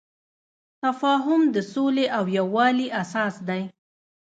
تفاهم د سولې او یووالي اساس دی.